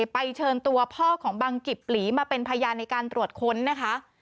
เชิญตัวพ่อของบังกิบหลีมาเป็นพยานในการตรวจค้นนะคะ